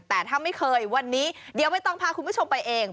แต่ถ้าไม่เคยวันนี้เดี๋ยวใบตองพาคุณผู้ชมไปเอง